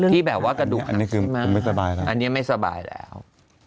ที่แบบว่ากระดูกหนักใช่ไหมอันนี้ไม่สบายแล้ว